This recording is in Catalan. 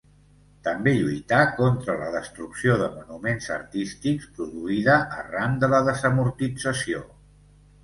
També lluità contra la destrucció de monuments artístics produïda arran de la desamortització.